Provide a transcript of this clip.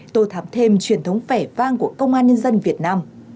tôi thám thêm truyền thống vẻ vang của công an nhân dân việt nam